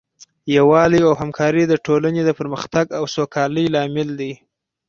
یووالی او همکاري د ټولنې د پرمختګ او سوکالۍ لامل دی.